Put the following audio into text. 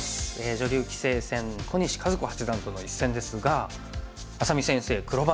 女流棋聖戦小西和子八段との一戦ですが愛咲美先生黒番ということで。